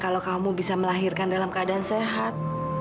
kalau kamu bisa melahirkan dalam keadaan sehat